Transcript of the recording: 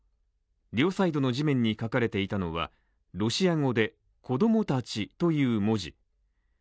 両サイドの地面に書かれていたのはロシア語で、子供たちという文字。